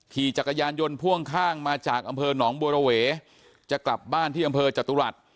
ขี่จักรยานยนต์พ่วงข้างมาจากอำเภอหนองบัวระเวจะกลับบ้านที่อำเภอจตุรัส